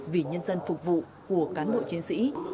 vì nhân dân phục vụ của cán bộ chiến sĩ